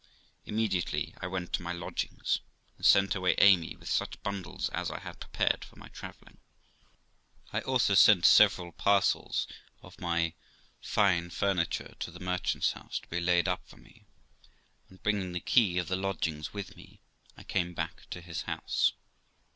Immediately I went to my lodgings, and sent away Amy with such bundles as I had prepared for my travelling. I also sent several parcels of my fine fur niture to the merchant's house to be laid up for me, and bringing the key of the lodgings with me, I came back to his house.